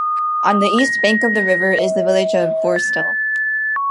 On the east bank of the River is the village of Borstal.